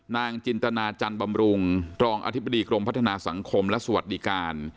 จินตนาจันบำรุงรองอธิบดีกรมพัฒนาสังคมและสวัสดิการ